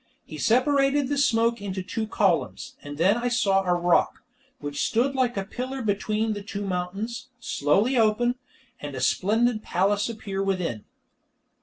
He separated the smoke into two columns, and then I saw a rock, which stood like a pillar between the two mountains, slowly open, and a splendid palace appear within.